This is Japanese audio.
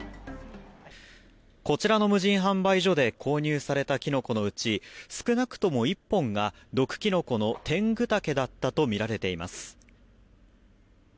こちらの無人販売所で購入されたキノコのうち少なくとも１本が毒キノコのテングタケだったとみられています。